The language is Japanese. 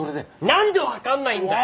なんでわかんないんだよ！